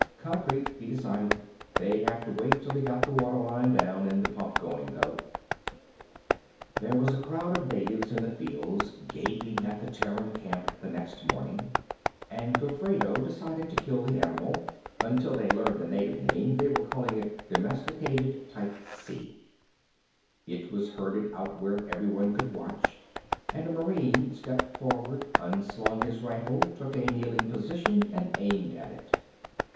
Concrete, he decided; they'd have to wait till he got the water line down and the pump going, though. There was a crowd of natives in the fields, gaping at the Terran camp, the next morning, and Gofredo decided to kill the animal until they learned the native name, they were calling it Domesticated Type C. It was herded out where everyone could watch, and a Marine stepped forward unslung his rifle took a kneeling position, and aimed at it.